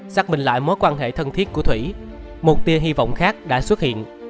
xác minh lại mối quan hệ thân thiết của thủy một tia hy vọng khác đã xuất hiện